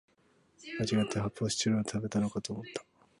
まちがって発泡スチロール食べたのかと思った